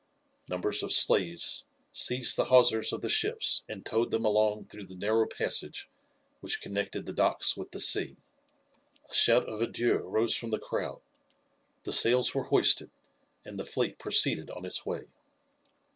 Numbers of slaves seized the hawsers of the ships and towed them along through the narrow passage which connected the docks with the sea. A shout of adieu rose from the crowd, the sails were hoisted, and the fleet proceeded on its way.